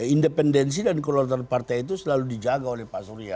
independensi dan keluatan partai itu selalu dijaga oleh pak surya